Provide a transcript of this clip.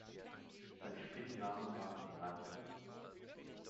Sein Spitzname war "Rajah".